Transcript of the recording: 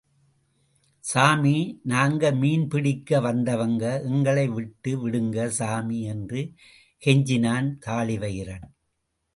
சாமி, நாங்க மீன் பிடிக்க வந்தவங்க, எங்களை விட்டு விடுங்க, சாமி என்று கெஞ்சினான் தாழிவயிறன்.